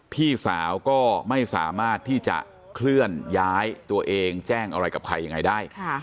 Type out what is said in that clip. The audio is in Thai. พี่สาวก็ไม่สามารถที่จะเคลื่อนย้ายตัวเองแจ้งอะไรกับใครยังไงได้